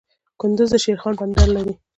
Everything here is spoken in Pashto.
کندز د شیرخان بندر لري